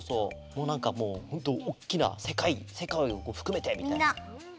もうなんかほんとうおっきなせかいをふくめてみたいな。